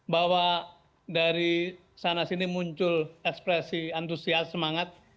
bahwa dari sana sini muncul ekspresi antusias semangat